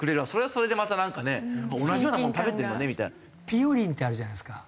ぴよりんってあるじゃないですか。